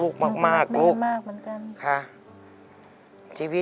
แต่ที่แม่ก็รักลูกมากทั้งสองคน